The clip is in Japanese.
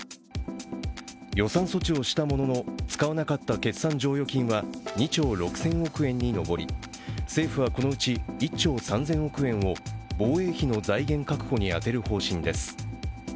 予算措置をしたものの、使わなかった決算剰余金は２兆６０００億円に上り政府はこのうち、１兆３０００億円を防衛費の財源確保に充てる方針です。